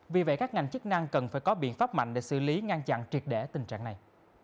vì vậy các ngành chức năng cần phải có biện pháp mạnh để xử lý ngăn chặn triệt để tình trạng này